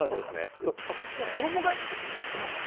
衣替えって知ってますか？